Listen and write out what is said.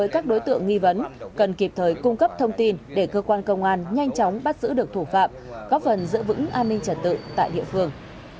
các đối tượng nghi vấn cần kịp thời cung cấp thông tin để cơ quan công an nhanh chóng bắt giữ được thủ phạm góp phần giữ vững an ninh trật tự tại địa phương